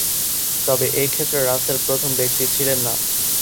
তবে এ ক্ষেত্রে রাসেল প্রথম ব্যক্তি ছিলেন না।